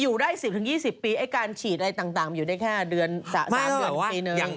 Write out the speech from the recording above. อยู่ได้๑๐๒๐ปีไอ้การฉีดอะไรต่างอยู่ได้แค่๓๔ปีหนึ่ง